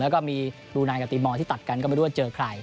แล้วก็มีรูไนกับตีมอลที่ตัดกันก็ไม่รู้ว่าเจอใคร